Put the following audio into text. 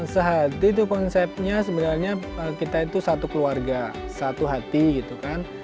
sehati itu konsepnya sebenarnya kita itu satu keluarga satu hati gitu kan